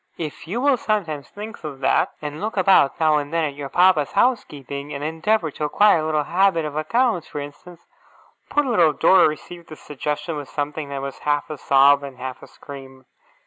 'If you will sometimes think of that, and look about now and then at your papa's housekeeping, and endeavour to acquire a little habit of accounts, for instance ' Poor little Dora received this suggestion with something that was half a sob and half a scream.